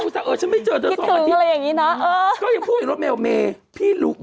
เจอเจ้าสองอาทิตย์ก็ยังพูดว่า